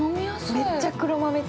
◆めっちゃ黒豆茶。